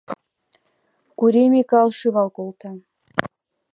— Кури Микал шӱвал колта.